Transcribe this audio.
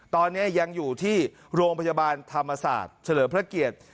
ตอนนี้ยังอยู่ที่โรงพยาบาลธรรมศาสตร์เฉลิมพระเกียรติ